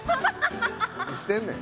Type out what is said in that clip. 何してんねん。